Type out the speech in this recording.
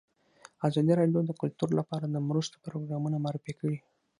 ازادي راډیو د کلتور لپاره د مرستو پروګرامونه معرفي کړي.